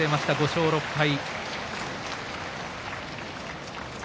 ５勝６敗。